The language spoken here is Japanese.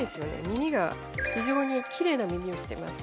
耳が非常にきれいな耳をしています